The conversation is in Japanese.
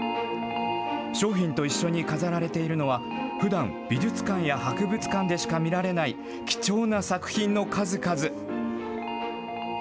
商品と一緒に飾られているのは、ふだん、美術館や博物館でしか見られない貴重な作品の数々。